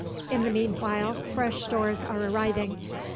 In the meanwhile fresh stores are arriving.